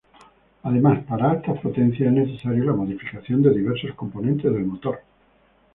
Además para altas potencias es necesario la modificación de diversos componentes del motor.